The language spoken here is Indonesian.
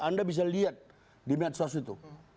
anda bisa lihat di medsos itu